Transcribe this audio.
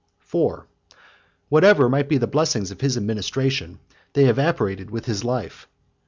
4. Whatsoever might be the blessings of his administration, they evaporated with his life.